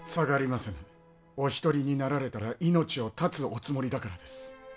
お一人になられたら命を絶つおつもりだからです。